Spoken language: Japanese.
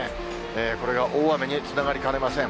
これが大雨につながりかねません。